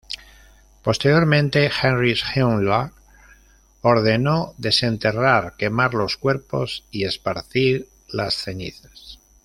Posteriormente Heinrich Himmler ordenó desenterrar, quemar los cuerpos y esparcir las cenizas.